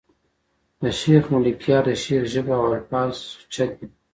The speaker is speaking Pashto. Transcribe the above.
د شېخ ملکیار د شعر ژبه او الفاظ سوچه دي.